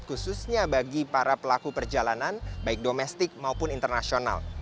khususnya bagi para pelaku perjalanan baik domestik maupun internasional